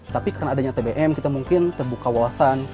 tapi karena adanya tbm kita mungkin terbuka wawasan